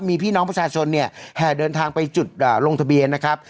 มีพี่น้องประชาชนเนี่ยแห่เดินทางไปจุดลงทะเบียนนะครับ